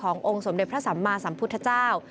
องค์สมเด็จพระสัมมาสัมพุทธเจ้า